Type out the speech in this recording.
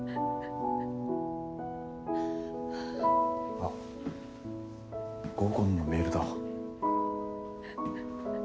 あっ合コンのメールだ。